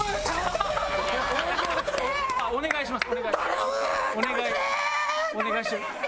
お願いしてます。